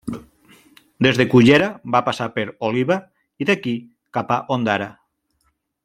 Des de Cullera va passar per Oliva, i d'aquí cap a Ondara.